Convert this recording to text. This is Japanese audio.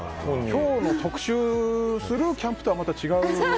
今日の特集するキャンプとはまた違う。